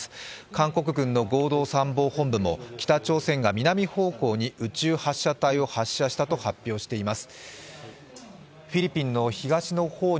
韓国軍の合同参謀本部も北朝鮮が南方向に宇宙発射体を発射したと発表しています。